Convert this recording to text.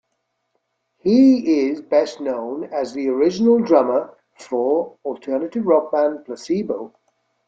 He is best known as the original drummer for alternative rock band Placebo.